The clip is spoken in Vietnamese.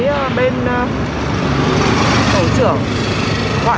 hãy gọi cứ báo cáo với bên tổ trưởng thì cũng không nghe máy